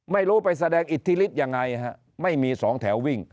ไม่รู้ไปแสดงอิทธิฤทธิ์ยังไงฮะไม่มีสองแถววิ่ง